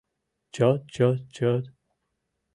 Чот-чот-чот...